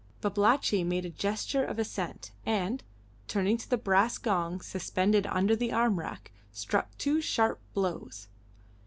Babalatchi made a gesture of assent, and, turning to the brass gong suspended under the arm rack, struck two sharp blows.